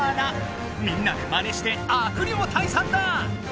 みんなでまねして悪霊退散だ！